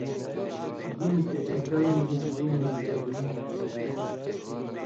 (گِنہۡ چے) اېں کلَیں ژا (دین) نی قبلاں تھہ